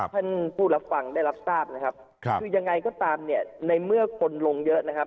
เพื่อนผู้รับฟังได้รับทราบนะครับยังไงก็ตามในเมื่อคนลงเยอะ